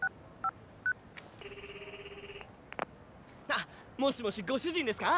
あっもしもしご主人ですか？